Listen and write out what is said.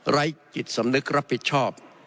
จิตสำนึกรับผิดชอบ